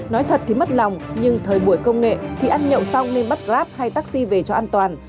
nói thật thì mất lòng nhưng thời buổi công nghệ thì ăn nhậu xong nên bắt grab hay taxi về cho an toàn